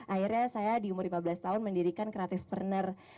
akhirnya saya di umur lima belas tahun mendirikan creative partner